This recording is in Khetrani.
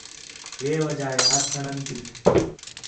ہِے وجہ ہے ہتھ سڑݨ تی